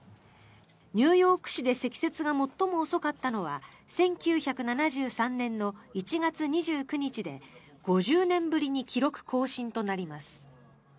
ニューヨーク市で積雪が最も遅かったのは１９７３年の１月２９日で５０年ぶりに記録更新となります。